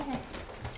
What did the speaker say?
bentar ya iya tante